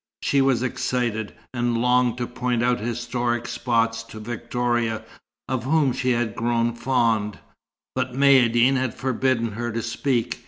She was excited, and longed to point out historic spots to Victoria, of whom she had grown fond; but Maïeddine had forbidden her to speak.